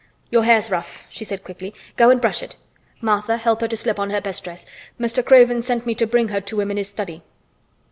"Your hair's rough," she said quickly. "Go and brush it. Martha, help her to slip on her best dress. Mr. Craven sent me to bring her to him in his study."